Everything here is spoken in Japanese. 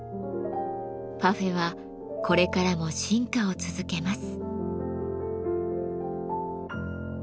パフェはこれからも進化を続けます。